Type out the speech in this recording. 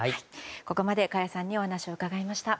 ここまで加谷さんにお話を伺いました。